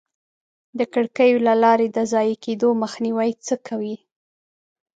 د کړکیو له لارې د ضایع کېدو مخنیوی څه کوئ؟